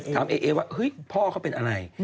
เอเอว่าเฮ้ยพ่อเขาเป็นอะไร